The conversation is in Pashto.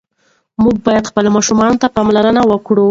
موږ باید خپلو ماشومانو ته پاملرنه وکړو.